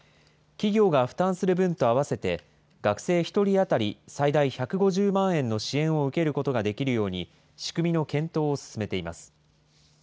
企業が負担する分と合わせて、学生１人当たり最大１５０万円の支援を受けることができるように、仕組みの検討を進めています。